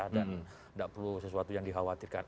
dan gak perlu sesuatu yang dikhawatirkan